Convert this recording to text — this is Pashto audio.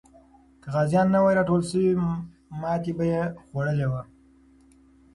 که غازیان نه وای راټول سوي، ماتې به یې خوړلې وه.